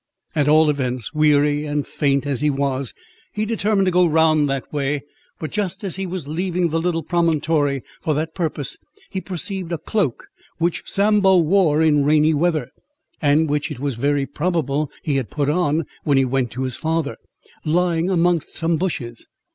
At all events, weary and faint as he was, he determined to go round that way; but just as he was leaving the little promontory for that purpose, he perceived a cloak, which Sambo wore in rainy weather (and which it was very probable he had put on, when he went to his father), lying amongst some bushes.